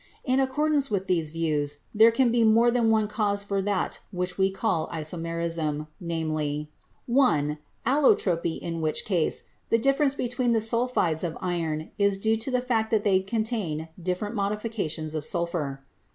In accordance with these views there can be more than one cause for that which we call isomerism, namely: (1) Allotropy, in which case ... the difference between the sulphides of iron is due to the fact that they contain different modifications of sulphur.